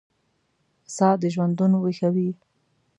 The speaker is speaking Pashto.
ساه دژوندون ویښوي